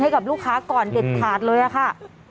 ให้กับลูกค้าก่อนเด็ดขาดเลยค่ะ